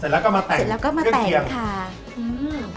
เสร็จแล้วก็มาแต่งเสร็จแล้วก็มาแต่งค่ะอื้อหือ